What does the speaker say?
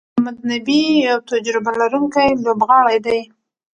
محمد نبي یو تجربه لرونکی لوبغاړی دئ.